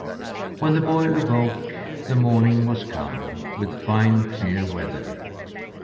When the boy awoke the morning was come, with fine, clear weather.